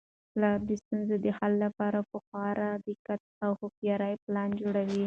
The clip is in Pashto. پلار د ستونزو د حل لپاره په خورا دقت او هوښیارۍ پلان جوړوي.